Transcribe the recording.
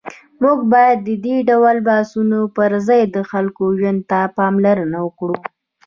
موږ باید د دې ډول بحثونو پر ځای د خلکو ژوند ته پاملرنه وکړو.